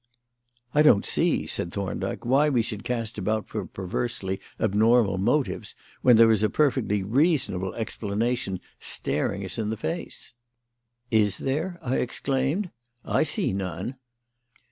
"I don't see," said Thorndyke, "why we should cast about for perversely abnormal motives when there is a perfectly reasonable explanation staring us in the face." "Is there?" I exclaimed. "I see none."